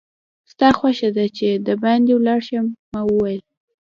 ستا خوښه ده چې دباندې ولاړ شم؟ ما وویل.